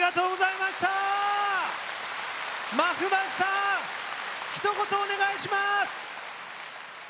まふまふさんひと言お願いします。